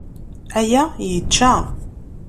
Aya yečča.